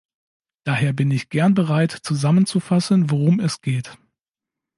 Daher bin ich gern bereit zusammenzufassen, worum es geht.